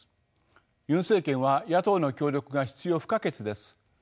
ユン政権は野党の協力が必要不可欠です。